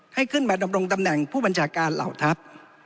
ให้ขึ้นมาดำรงตำแหน่งผู้บัญชาการเหล่าทัพ